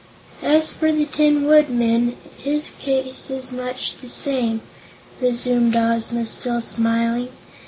"As for the Tin Woodman, his case is much the same," resumed Ozma, still smiling.